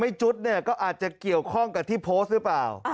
ไม่จุดนั้นก็ก็อาจจะเกียวข้องกับเรื่องที่โพสต์รึเปล่า